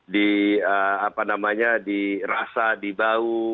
di apa namanya di rasa di bau